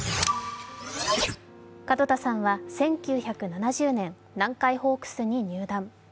門田さんは１９７０年、南海ホークスに入団。